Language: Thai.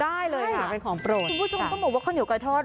ได้เลยค่ะเป็นของโปรด